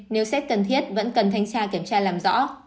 nếu xét cần thiết vẫn cần thanh tra kiểm tra làm rõ